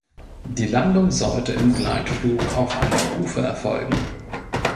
Die Landung sollte im Gleitflug auf einer Kufe erfolgen.